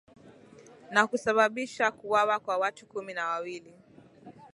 na kusabisha kuwawa kwa watu kumi na wawili